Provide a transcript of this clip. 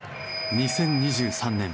２０２３年